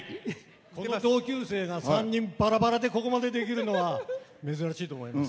同級生が３人ばらばらでここまでできるのは珍しいと思います。